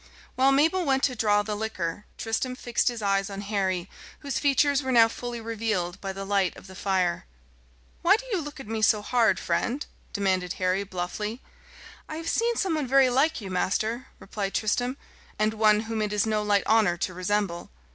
While Mabel went to draw the liquor, Tristram fixed his eyes on Harry, whose features were now fully revealed by the light of the fire. "Why do you look at me so hard, friend?" demanded Harry bluffly. "I have seen some one very like you, master," replied Tristram, "and one whom it is no light honour to resemble."